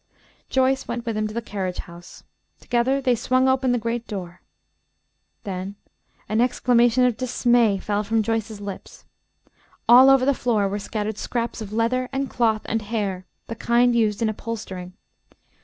Joyce went with him to the carriage house. Together they swung open the great door. Then an exclamation of dismay fell from Joyce's lips. All over the floor were scattered scraps of leather and cloth and hair, the kind used in upholstering.